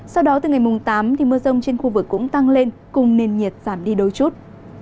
sau đó từ ngày mùng tám mưa rông trên khu vực cũng tăng lên cùng nền nhiệt giảm đi đôi chút